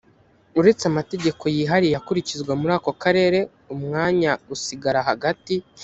uretse amategeko yihariye akurikizwa muri ako karere umwanya usigara hagati